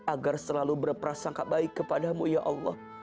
agar selalu berperasaan kebaik kepada mu ya allah